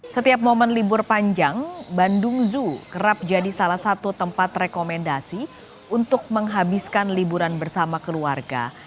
setiap momen libur panjang bandung zoo kerap jadi salah satu tempat rekomendasi untuk menghabiskan liburan bersama keluarga